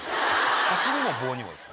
「箸にも棒にも」です。